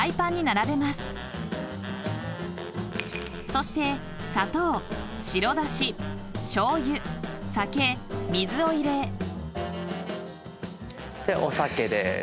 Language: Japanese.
［そして砂糖白だし醤油酒水を入れ］でお酒です。